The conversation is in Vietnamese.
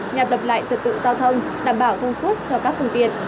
nhạc đập lại trật tự giao thông đảm bảo thông suất cho các phương tiện